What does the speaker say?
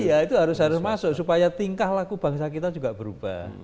iya itu harus harus masuk supaya tingkah laku bangsa kita juga berubah